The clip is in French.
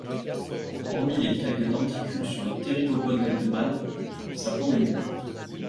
Hormis les quelques denticules sur les ptérygopodes des mâles, sa peau est nue.